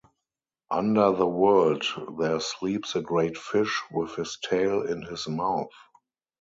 Under the world there sleeps a great fish with his tail in his mouth.